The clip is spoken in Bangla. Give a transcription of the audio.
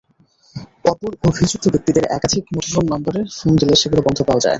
অপর অভিযুক্ত ব্যক্তিদের একাধিক মুঠোফোন নম্বরে ফোন দিলে সেগুলো বন্ধ পাওয়া যায়।